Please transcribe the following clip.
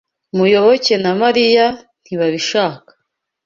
Muyoboke na Mariya ntibabishaka.